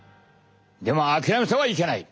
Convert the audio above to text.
でも諦めてはいけない！